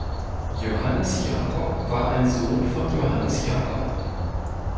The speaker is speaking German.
Johannes Jakob war ein Sohn von Johannes Jakob.